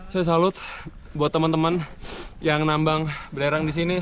saya salut buat teman teman yang nambang belerang di sini